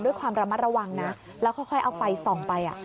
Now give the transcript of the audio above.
ด้วยความระมัดระวังนะแล้วค่อยเอาไฟส่องไป